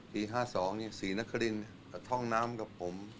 ๕๒นี่ศรีนครินท่องน้ำกับผม